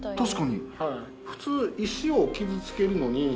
普通石を傷つけるのに。